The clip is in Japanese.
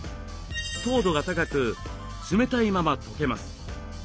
糖度が高く冷たいままとけます。